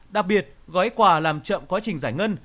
đặc biệt gói quà làm chậm quá trình giải ngân